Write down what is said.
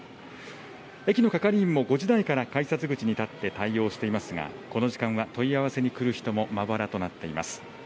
駅の係員も、５時台から改札口に立って対応していますが、この時間は問い合わせに来る人もまばらとなっています。